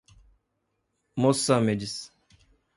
Mossâmedes